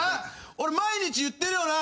俺毎日言ってるよな？